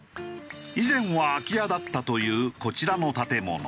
以前は空き家だったというこちらの建物。